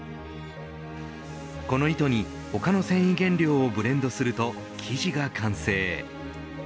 この糸に他の繊維原料をブレンドすると生地が完成。